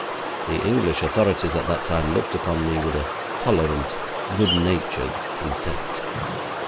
The English authorities at that time looked upon me with a tolerant, good natured contempt.